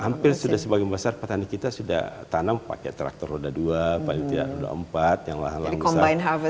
hampir sudah sebagian besar petani kita sudah tanam pakai traktor roda dua paling tidak roda empat